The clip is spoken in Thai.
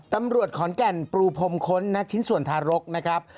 ตำรวจขอนแก่นปรูพรมค้นนักชิ้นส่วนทารกนะครับ